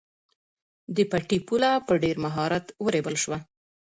د پټي پوله په ډېر مهارت ورېبل شوه.